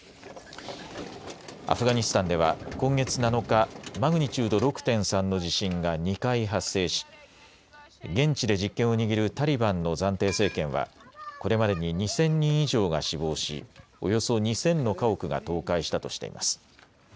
アフガニスタンでは今月７日、マグニチュード６．３の地震が２回発生し現地で実権を握るタリバンの暫定政権はこれまでに２０００人以上が死亡し、およそ２０００の家屋が倒壊したとしています。